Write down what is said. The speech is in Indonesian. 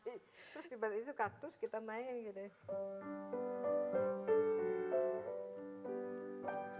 terus dibandingin itu kaktus kita main gitu deh